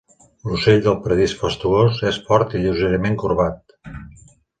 L'ocell del paradís fastuós és fort i lleugerament corbat.